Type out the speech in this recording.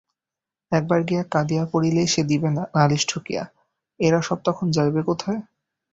একবার গিয়া কাদিয়া পড়িলেই সে দিবে নালিশ ঠুকিয়া, এরা সব তখন যাইবে কোথায়?